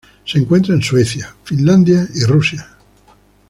Se encuentra en Suecia, Finlandia y Rusia.